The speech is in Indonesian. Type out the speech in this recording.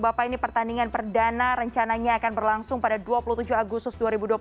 bapak ini pertandingan perdana rencananya akan berlangsung pada dua puluh tujuh agustus dua ribu dua puluh tiga